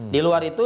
di luar itu